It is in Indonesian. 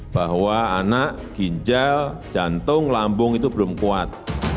bahwa anak ginjal jantung lambung itu belum kuat